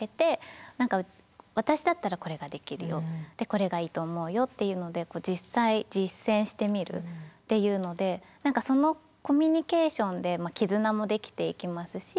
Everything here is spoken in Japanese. これがいいと思うよっていうので実際実践してみるっていうので何かそのコミュニケーションで絆もできていきますし。